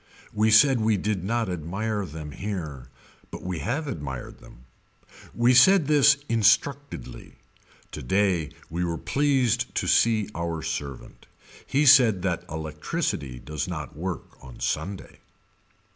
We said we did not admire them here but we have admired them. We said this instructedly. Today we were pleased to see our servant. He said that electricity does not work on Sunday.